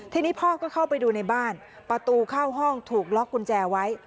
ทีนี้พ่อก็เข้าไปดูในบ้านประตูเข้าห้องถูกล็อกกุญแจไว้